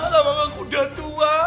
alamak aku udah tua